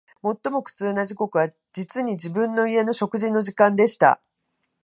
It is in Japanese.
最も苦痛な時刻は、実に、自分の家の食事の時間でした